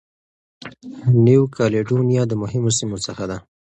نیو کالېډونیا د مهمو سیمو څخه ده.